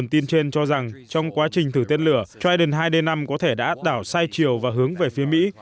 trên trên cho rằng trong quá trình thử tên lửa trident hai d năm có thể đã át đảo sai chiều và hướng về phía mỹ